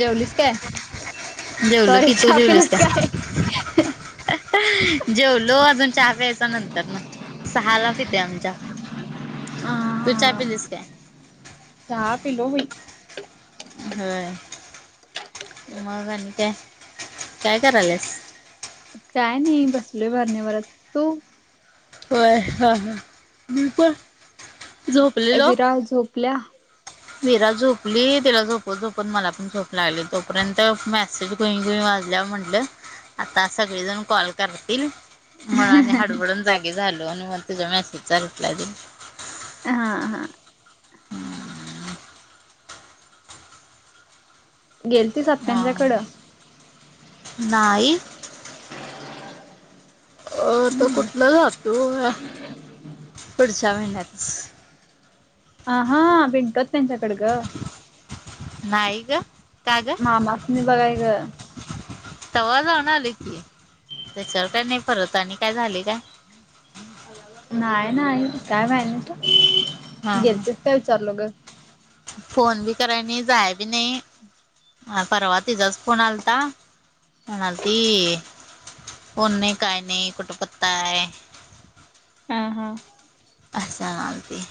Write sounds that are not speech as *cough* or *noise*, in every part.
जेवलीस काय? जेवलो सॉरी की चहा पिलीस काय? हँ जेवलो, अजून चहा प्यायच्या नंतर नं सहाला पितोय आम्ही चहा हा तू चहा हा पिलीस काय? चहा पिलो बाई. होय मग आणि काय काय करायलस? काय नाही बसलेय बर्नी भरत तू? हो हा हा मी पण. वीरा झोपल्या? वीरा झोपली तिला झोपवत झोपवत मला पण झोप लागली तोपर्यंत मेसेज घुई घुई वाजल्या म्हटलं आता सगळेजण कॉल करतील म्हणा आणि हडबडून जागी झालो आणि मग तुझ्या मेसेजचा रिप्लाय दिला. हा हा. गेल ह नाही. अ आता कुठलं जातो पुढच्या महिन्यातच. आ हा पिंटुआत्याच्या कड गं. नाही ग का ग मामासणी बगाय ग. तवा जाऊन आले की त्याच्यावर काय नाही परत आणि काय झाले काय? नाही नाही काय नाही झालं ना हा त हा गेलतेस काय विचारलो ग. फोन बी कराय नाही जाय बी नाही. अ परवा तिचाच फोन आलता म्हणालती फोन नाही काय नाही कुट पत्ता आहे हा हा अस म्हणली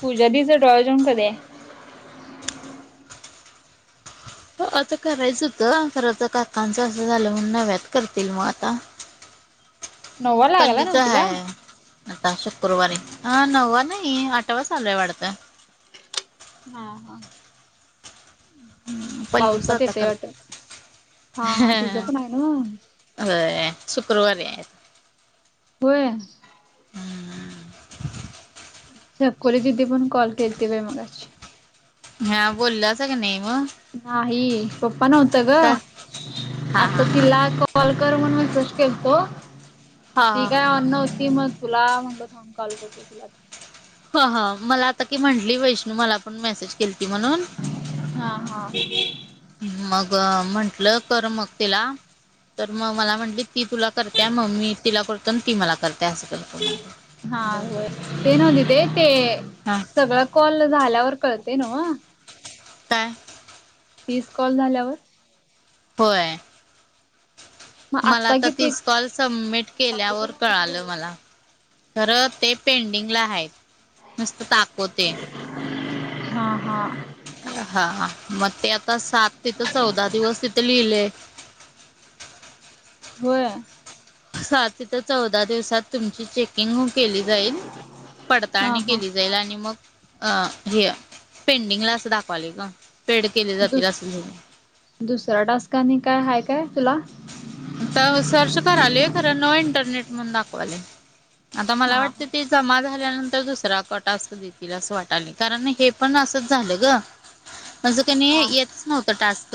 पूजा दिचं डोहाळ जेवन कधी आहे? आता करायचं होतं तर आता काकांचं असं झालं नव्यात करतील मग आता. नववा लागला पल्लीच नव्ह तिला? आहे. हा आता शुक्रवारी अ नववा नाही आठावा चालूय वाढत. हा हा पल्लीच पावसात आता येतय वाटत करत हा हा तिचं पण आहे नव्ह होय शुक्रवारी आहे. होय? छकुली दीदी पण कॉल केलंती बाय मगाशी. हा बोललास की नाही मग? नाही पप्पा नव्हत ग का हा आता हा तिला कॉल कर म्हणुन मॅसेज केलतो हा ती हा काय ऑन नव्हती मग तुला म्हणलं थांब कॉल करतो तुलाच. ह ह मला आता की म्हंटली वैष्णू मला पण मेसेज केलीती म्हणून. हा हा मग म्हंटलं कर मग तिला तर मग मला म्हटली ती तुला करतेय मग् मी तिला करतो ती मला करते असं क हा होय ते नव्ह दीदे ते हा सगळं कॉल झाल्यावर कळतय नव्ह? काय? तीस कॉल झाल्यावर होय. मग मला आत्ता आता किती तीस कॉल सबमिट केल्यावर कळालं मला. खरं ते पेंडिंगला आहेत नुसत दाखवतंय. हा हा. हा हा मग ते आता सात तिथं चौदा दिवस तिथे लिहिलेय. होय? सात ते चौदा दिवसात तुमची चेक किंग केली जाईल हा पडताळणी हा केली जाईल आणि मग. अ हे पेंडिंगला असं दाखवाले ग पेड केले जातील दुस असं झाल. दुसरा टास्क आणि काय हाय काय तुला. आता सर्च करालय खरं नो इंटरनेट म्हणून दाखवलय आता मला हा वाटते ते. जमा झाल्यानंतर दुसरा टास्क देतील असं वाटालय कारण हे पण असंच झालं ग. माझ कनी हा येत नव्हत टास्क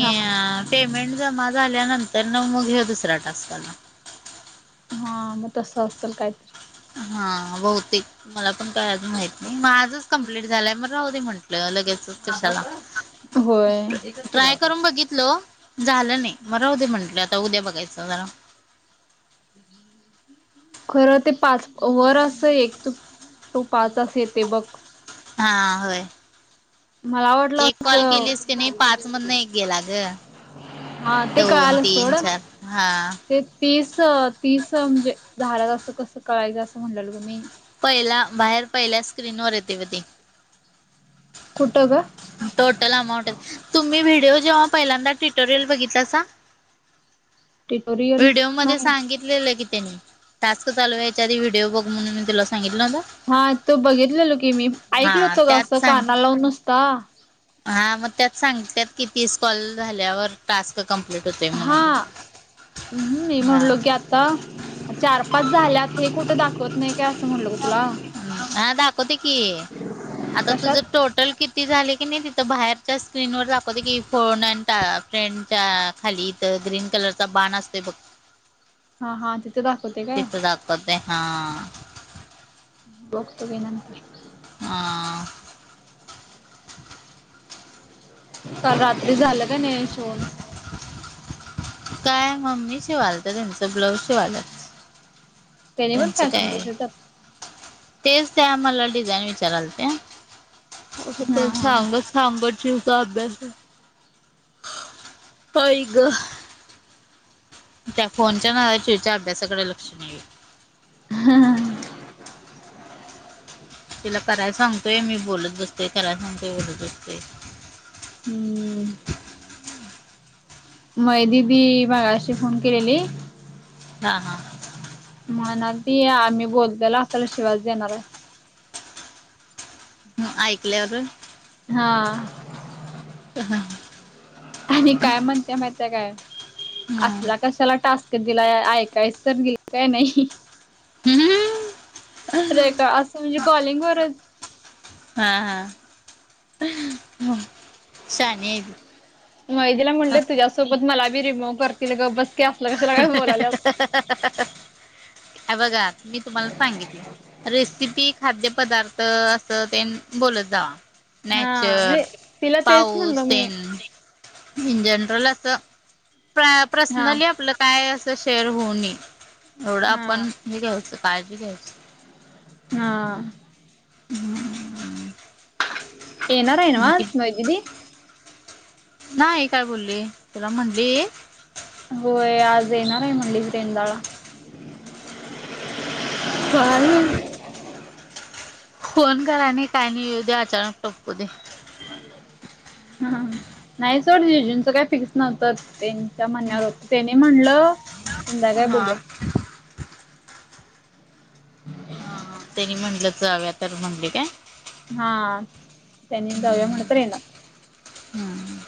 हा पेमेंट जमा. झाल्यानंतर न मग घे दुसरा टास्क आला. हा म तस असेल काहीतरी. हां बहुतेक. मला पण काय अजून माहित नाही मग आजच कंप्लीट झालंय मग राहू दे म्हटलं लगेच कशाला. हो. ट्राय करून बघितलं झालं नाही म राहु दे म्हणलं उद्या आता उद्या बघायचं जरा. ह खरं ते पाच वर अस एक टू पाच अस येते बघ. हा होय. मला आवटलं एक अस. कॉल केलीस की नाही पाच मधन एक गेला ग हा ते दोन कळालं तीन सोडं चार हा ते तीस तीस म्हणजे झालेलं जसं कसं कळायचं असं म्हटणलेलो मी. पहिला बाहेर पहिल्या स्क्रीन वर येते ब ती कुठ गं. टोटल अमाऊंट आहे तुम्ही व्हिडिओ जेव्हा पहिल्यांदा टुटोरियल बघितलासा. ट्युटोरियल व्हिडिओ मध्ये नाही. सांगित की त्यानी टास्क चालू होयचा आधी व्हिडिओ बघ म्हणून मी तुला सांगितलं होतं हा तू बघितलेलो की मी ऐकलो हा होतो ग त्यात असं सांग काना लावून नुसता. हा मग त्यात सांगितत कि तीस् कॉल झाल्यावर टास्क कम्प्लीट होते हा म्हणून हम्म मी ह.. म्हणलो की चार पाच झाल्यात हे कुठे दाखवत नाही का अस. हा दाखवते की आता तुझ. कशात टोटल किती झाले की नाही तिथं बाहेरच्या स्क्रीनवर दाखवते की फोन अ टा फ्रेंडच्या खाली तर ग्रीन कलरचा बाण असते बघ. हा हा तिथे दाखवते काय. पते हा बघतो मी नंतर हा. काल रात्री झालं का नाही शोण काय मम्मी शिवालत्या तुमच ब्लाऊज शिवाल्या. त्याने पण त्यांच काय फॅशनचा आहे शिवतात तेच त्या मला डिझाईन विचारायल ते ते हा हा सांगच. सांबरची उद्या अभ्यास घे. त्या फोनच्या नादात चिऊ च्या अभ्यासाकडे लक्ष नही. हा हा तिला कराय सांगते मी बोलत बसते कराय सांगते बोलत बसते. हमं. मय दिदी मघाशी फोन केलेली. हा हा. म्हणालं ती आम्ही बोलताल आपल्याला शिवास देणार आहे. हम् ऐकल्यावरून हा. हा ह. आणि काय म्हणत्या माहिती हाय काय? हं. असला कशाला टास्क क दिलाय, ऐकायच तर नीट काय नाही? हम्म *unintelligible* रेखा, असं म्हणजे कॉलिंग वरच हा हा, शाणी *unintelligible* तिला म्हटल, तुझ्यासोबत मला बी रिमोव्ह करतील गबस की, असलं कशाला काय बोलाल्यास *unintelligible* हे बघा, मी तुम्हाला सांगितले रेसिपी खाद्यपदार्थ, असं तेन बोलत जावा. हा नॅचर, तिला तेच पाऊस म्हणलो मी तेन इन जनरल असं, हा पर्सनली आपलं काय असं शेअर होऊ नये, एवढं हा आपण हे घ्यायचं, काळजी घ्यायच. हा. हम्म. येणार आहे नव आज मयू दिदी? नाही काय बोलली, तुला म्हणली? होय, आज येणार आहे म्हणली, रेंंदळला सोळावी फोन करायनी काय नाही, येऊ दे, अचानक टपकू दे. हा *unintelligible* *inaudible* नाही सोड, जिज्जूंच काय फिक्स नव्हतं, त्यांच्या म्हणण्यावर होत, त्यांनी म्हणलं संध्याकाळी हा बघूया *unintelligible* हा *inaudible* त्यांनी मम्हणलं जावूया, तर म्हणली काय? हा, त्यांनी जाऊया म्हणलं तर येणार हम्म.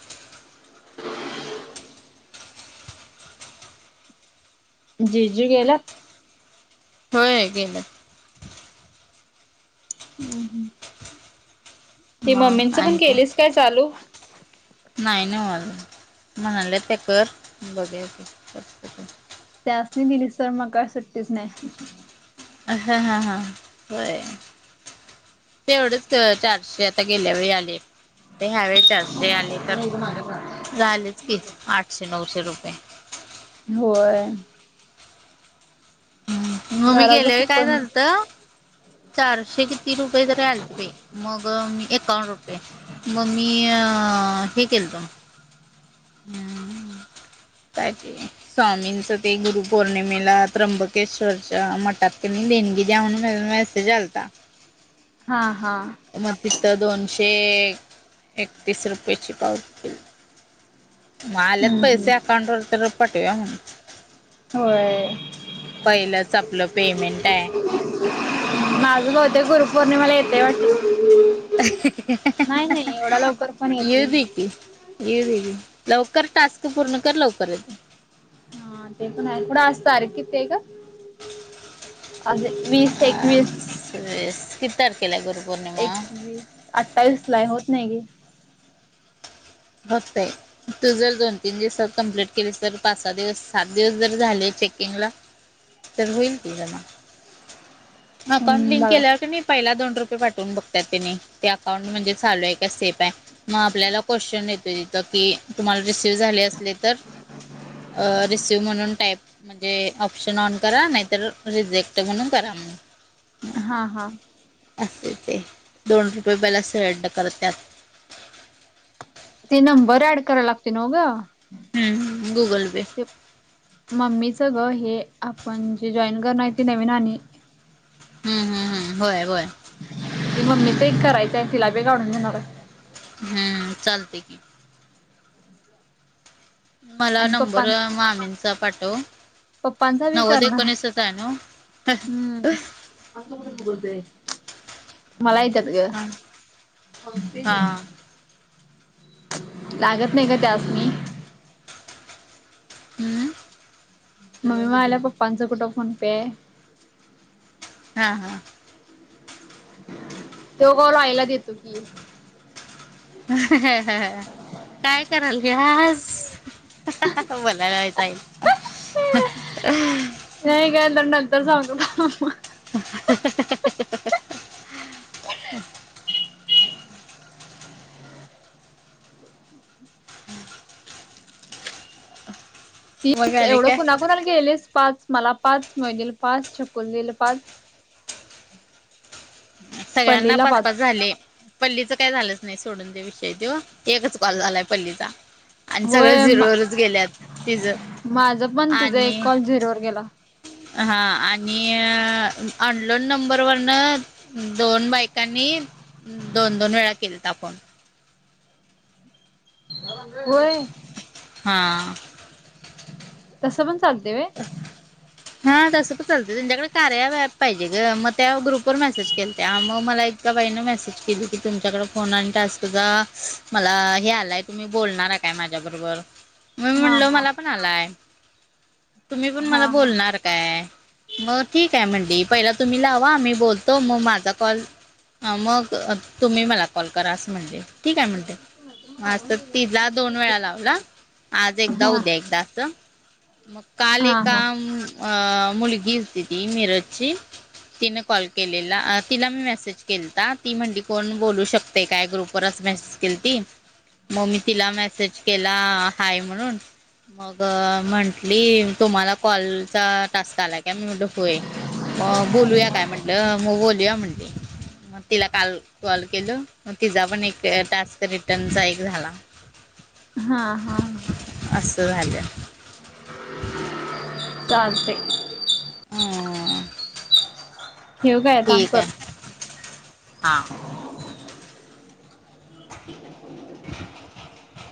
जीजू गेल्यात होय, गेल्यात. हम्, हम. हे मग मम्मींचं पण आणि केलीस काय चालू? नाही नव्हं अजून, म्हणाल्यात ते कर, बघूया की करतो, करतो. त्यासनी दिलीस तर मग काय सुट्टीच नाही. हां, हां, हां, होय. तेवढच, चारशे आता गेल्या वेळी आले. ह्या वेळेस चारशे आले तर, झालेच की आठशे-नऊशे रुपये. होय. हम्, मग मी घरात गेल्यावेळी, बसून काय कोण झालतं चारशे किती रुपये तरी आलते बाई, मग मी एकावन्न रुपये मग मी, हे केलतो हम्म! काय ते स्वामींच ते, गुरुपौर्णिमेला त्र्यंबकेश्वरच्या मठात देणगी द्या, म्हणून मेसेज आलता हा हा. मग तिथं, दोनशे एकतीस रुपयेची पावती केलती. म आल्यात हम्म हम्म पैसे अकाउंटवर तर, पाटवूया म्हटलं. होय. पहिलंच आपलं पेमेंट आहे माझं भवूतेक गुरुपौर्णिमेला येतय वाटत नाही नाही, एवढया लवकर पण येत नाही. येऊदे घे, लवकर टास्क पूर्ण कर, लवकर येतयं. हा, ते पण आहे सोड, आज तारिक किती आहे गं? आज वीस आज एकवीस. वीस कि. किती तारखेला आहे गुरुपौर्णिमा. एकवीस अठ्ठावीसला आहं घे होत नाही घे. होतंय. तू जर दोन तीन दिवसात कम्प्लीट केलीस तर पाच सहा दिवस सात दिवस जर झाले चेकिंग ला. तर होईल कि त्याला अकाउंट हम्म लिंक केल्यावर बघा कणीय. पहिला दोन रुपये पाठवून बघतात त्यानी ते अकाउंट म्हणजे चालू आहे का सेफ आहे मग आपल्याला कोशू तेच येतोय कि. तुम्हाला रिसीव झाले असले तर अ रिसीव म्हणून टाईप. म्हणजे ऑप्शन ऑन करा नाहीतर रिजेक्ट म्हणून करा मग. हा हा. असतय ते दोन रुपये बला सडड करत्यात. ते नंबर ऍड करायला लागते नव्ह गं. हम्म गुगल पे. मम्मीच गं हे आपण जे जॉईन करणार आहे ते नवीन आणि. हम हम हम होय होय. ते मम्मीच एक करायचं आहे तिला बी काढून देणार आहे. हम् चालतंय की. मला आणि नंबर पप्पांच मामींचा पाठव. पप्पांचा बी नव्वद करणार एकोणीसच आहे नव्ह. असं कुठं गुगल पे आहे. मला येतात गं हा कोणते हा गं. लागत नाही का त्यासनीं. हम्म. मम्मी म्हणल्या पप्पांचं कुठं फोन पे आहे. हा हा. तो कॉल आईला देतो की. ह ह काय करायल्यास. मला कायचईल. नाही काय तर नंतर सांगतो. *inaudible* मग तीस आणि एवढं काय कुणाकुणाला गेलेस पाच मला पाच मै दिल पाच चछकुल दीदी ला पाच. सगळ्यांना पाच पाच झाले. पल्लीचं काय झालंच नाही सोडून ते विषय देव एकच कॉल झालाय पल्लीचा. आणि सगळ होय झिरोवरच गेलेत तिच माझ पण तिचा आणि. एक कॉल झिरोवर गेला हा आणि ऑनलोन नंबर वरन. दोन बायकांनी दोन दोन वेळा केल त फोन. व्हय. हा. तसं पण चालते वय. *inaudible* हा तसं प चालत त्यांच्याकडे कार्या पाहिजे ग मग त्या ग्रुप वर मेसेज केलत्या मग मला एक. का बाईने मेसेज केली की तुमच्याकडे फोन आण टास्कचा असतो का मला हे आलाय. तुम्ही बोलणार आहे काय माझ्या बरोबर मी हा म्हणल हा मला पण आलाय. तुम्ही पण मला हा हा बोलणार. काय मग ठीक आहे म्हंणली पहिला तुम्ही लावा मी बोलतो मग माझा कॉल. अ मग तुम्ही मला कॉल करा असं म्हणली ठीक आहेय म्हणते. ह तिला दोन वेळा लावला आज एकदा हा उद्या एकदा असं. मग काल हा एका हा मुल अ मुलगी होती ती मिरजची. तिने कॉल केलेला तिला मी मेसेज केलता ती म्हणली कोण बोलू शक ते काय ग्रुप वरच मेसेज केलती मग मी तिला मेसेज केला हाय म्हणून मग म्हंटली तुम्हाला कॉलचा टास्क आलाय का मी म्हटलं होय. मग बोलूया काय म्हंटलं मग बोलूया म्हणते. मग तिला काल कॉल केल मग तिचा पण एक टास्क रिटर्नचा एक झाला. हा हा. असं झाल्या. सांगते हम्म. ठेवू काय थांब ठीक आहे करतो हा. *unintelligible*